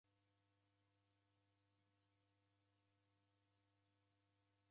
Mbari ya W'eni Wambengo ni ya w'ashomi